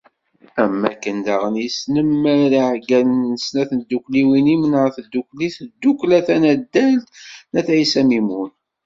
Am wakken daɣen yesnemmer iɛeggalen n snat n tdukkliwin Imnar n Tdukli d tdukkla tanaddalt n At Ɛissa Mimun.